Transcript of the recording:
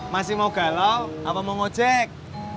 masih mau galau apa mau ngojek